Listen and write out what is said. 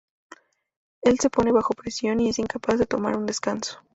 Él se pone bajo presión y es incapaz de tomar un descanso.